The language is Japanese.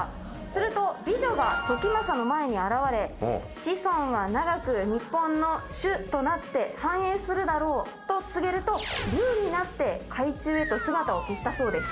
すると美女が時政の前に現れ「子孫は永く日本の主となって繁栄するだろう」と告げると龍になって海中へと姿を消したそうです。